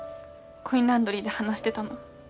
コインランドリーで話してたの。